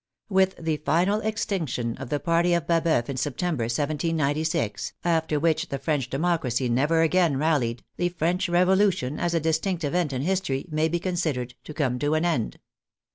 With the final extinction of the party of Baboeuf in September, 1796, after which the French democracy never again rallied, the French Revolution, as a distinct event in history, may be considered to come to an end.